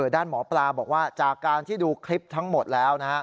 ด้านหมอปลาบอกว่าจากการที่ดูคลิปทั้งหมดแล้วนะฮะ